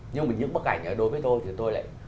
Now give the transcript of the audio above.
nhưng mà những bức ảnh đối với tôi thì tôi lại